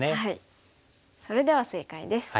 それでは正解です。